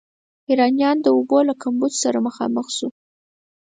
ایرانیانو د اوبو له کمبود سره مخامخ شو.